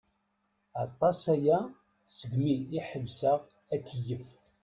Aṭas aya segmi i ḥebseɣ akeyyef.